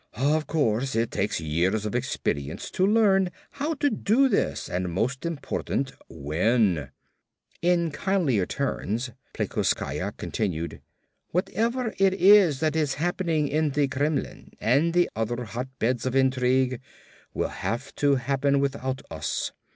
Of course it takes years of experience to learn how to do this and most important, when." In kindlier tones Plekoskaya continued. "Whatever it is that is happening in the Kremlin and the other hotbeds of intrigue will have to happen without us.